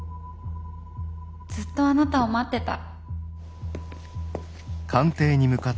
ずっとあなたを待ってた。